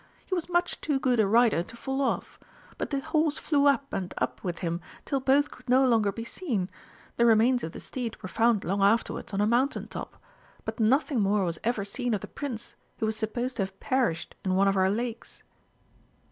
He was much too good a rider to fall off. But the horse flew up and up with him till both could no longer be seen. The remains of the steed were found long afterwards on a mountain top. But nothing more was ever seen of the Prince, who was supposed to have perished in one of our lakes."